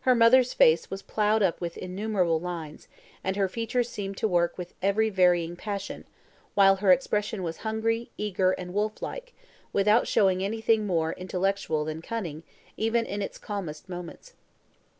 Her mother's face was ploughed up with innumerable lines, and her features seemed to work with every varying passion, while her expression was hungry, eager, and wolf like, without showing anything more intellectual than cunning, even in its calmest moments.